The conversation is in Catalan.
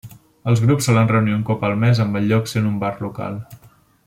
Els grups solen reunir un cop al mes amb el lloc sent un bar local.